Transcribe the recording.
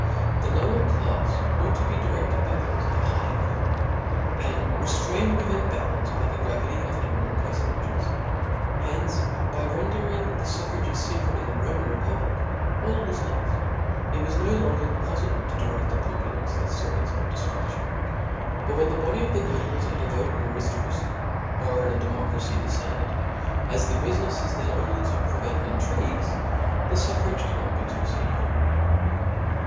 The lower clafs ^%?^ ought to be direfted by thofe of higher rank, and ciiap.^. jeftrained within bounds by the gravity of emi nent perfonagesi Hence, by rendering the fuf frages fecret in the Roman republic, all was loft $ it was no longer poffible to direft a populace that fought its own deftrudion. But when the body of the nobles are to vote in an ariftocracy ♦; or in a deaK)cracy5 the fenate f* ; as the bufinefs is then only to prevent intrigues, the fuffrages cannot be too fecret.